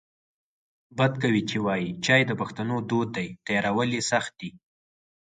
بد کوي چې وایې چای د پښتنو دود دی تیارول یې سخت دی